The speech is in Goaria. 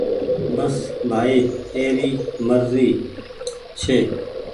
بس ڀآئي اي ري مرزي ڇي۔